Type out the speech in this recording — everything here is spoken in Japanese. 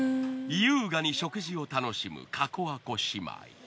優雅に食事を楽しむかこあこ姉妹。